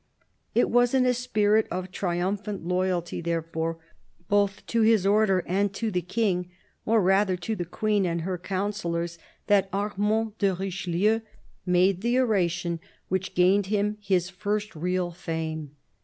It was in a spirit of triumphant loyalty, therefore, both to his Order and to the King — or rather, to the Queen and her councillors — thatArmand de Richelieu made the oration 70 CARDINAL DE RICHELIEU which gained him his first real fame.